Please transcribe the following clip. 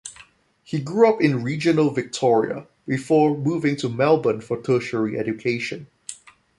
He grew up in regional Victoria, before moving to Melbourne for tertiary education.